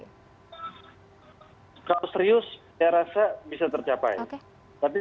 kalau serius saya rasa bisa tercapai